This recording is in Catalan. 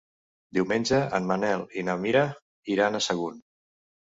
Diumenge en Manel i na Mira iran a Sagunt.